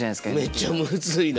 めちゃむずいな。